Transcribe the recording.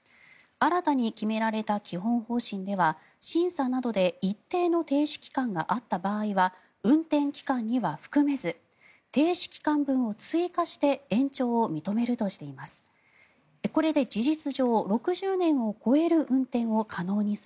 新たに決められた基本方針では審査などで一定の停止期間があった場合には運転期間には含めず停止期間分を追加して延長を認めるとしています。